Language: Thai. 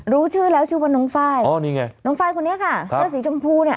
รู้ชื่อแล้วชื่อว่าน้องไฟล์อ๋อนี่ไงน้องไฟล์คนนี้ค่ะเสื้อสีชมพูเนี่ย